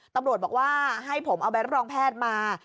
ตำรวจบอกว่าให้ผมเอาใบรับรองแพทย์มา